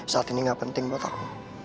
saat ini gak penting buat aku